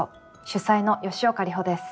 主宰の吉岡里帆です。